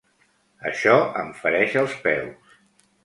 Això em fereix els peus.